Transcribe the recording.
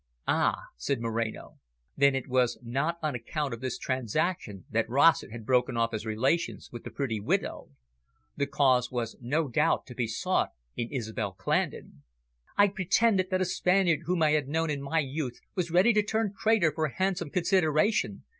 "Ah!" said Moreno. Then it was not on account of this transaction that Rossett had broken off his relations with the pretty widow. The cause was no doubt to be sought in Isobel Clandon. "I pretended that a Spaniard whom I had known in my youth was ready to turn traitor for a handsome consideration.